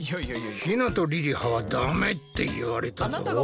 ひなとりりははダメって言われたぞ。